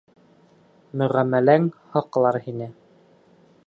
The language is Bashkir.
Мөғәмәләң һаҡлар һине